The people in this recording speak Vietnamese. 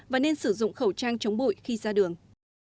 và nên sử dụng khẩu trang chống bụi khi ra đường